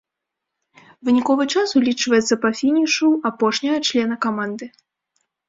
Выніковы час улічваецца па фінішу апошняга члена каманды.